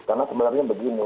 karena sebenarnya begini